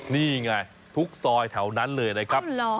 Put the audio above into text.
นี่ไงทุกซอยแถวนั้นเลยนะครับ